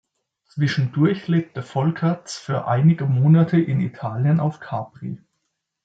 Zwischendurch lebte Folkerts für einige Monate in Italien auf Capri.